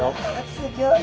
すギョい。